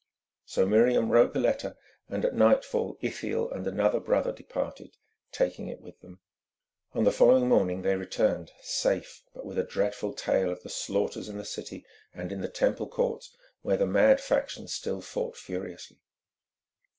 So Miriam wrote the letter, and at nightfall Ithiel and another brother departed, taking it with them. On the following morning they returned, safe, but with a dreadful tale of the slaughters in the city and in the Temple courts, where the mad factions still fought furiously.